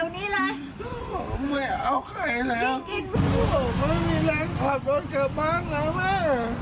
ไม่มีเลือดกลับรถกับบ้านหนะแม่